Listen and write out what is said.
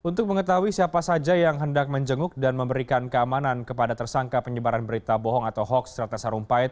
untuk mengetahui siapa saja yang hendak menjenguk dan memberikan keamanan kepada tersangka penyebaran berita bohong atau hoax ratna sarumpait